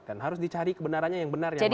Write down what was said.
dan harus dicari kebenarannya yang benar yang mana